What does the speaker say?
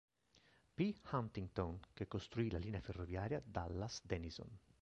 P. Huntington, che costruì la linea ferroviaria Dallas-Denison.